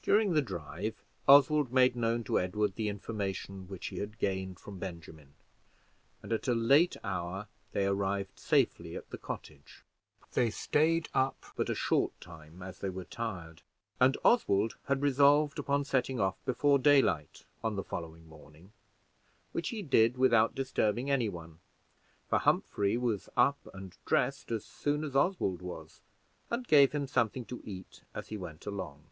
During the drive, Oswald made known to Edward the information which he had gained from Benjamin, and at a late hour they arrived safely at the cottage. They staid up but a short time, as they were tired; and Oswald had resolved upon setting off before daylight on the following morning, which he did without disturbing any one; for Humphrey was up and dressed as soon as Oswald was and gave him something to eat as he went along.